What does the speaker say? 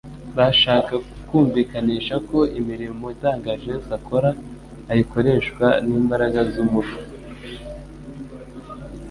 Bashaka kumvikanisha ko imirimo itangaje Yesu akora, ayikoreshwa n'imbaraga z'umubi.